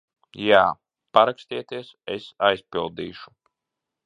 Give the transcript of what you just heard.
Jā. Parakstieties, es aizpildīšu.